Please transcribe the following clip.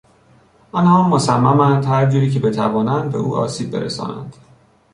آنها مصمماند هرجوری که بتوانند به او آسیب برسانند.